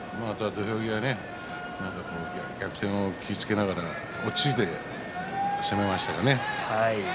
土俵際、逆転も気をつけながら、落ち着いて攻めましたね。